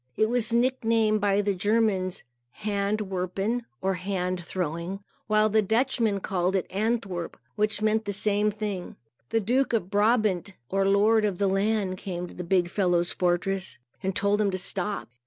It was nicknamed by the Germans Hand Werpen, or Hand Throwing; while the Dutchmen called it Antwerp, which meant the same thing. The Duke of Brabant, or Lord of the land, came to the big fellow's fortress and told him to stop.